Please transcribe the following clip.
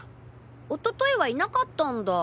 おとといはいなかったんだ。